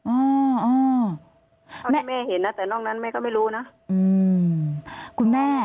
อ่าอ่าเพราะแม่เห็นน่ะแต่นอกนั้นแม่ก็ไม่รู้น่ะอืมคุณแม่